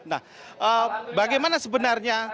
nah bagaimana sebenarnya